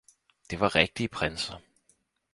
Det var rigtige prinser